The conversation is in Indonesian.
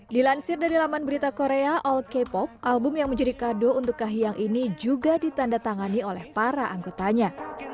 dilansir dari laman berita korea all k pop album yang menjadi kado untuk kahiyang ini juga ditanda tangani oleh para anggotanya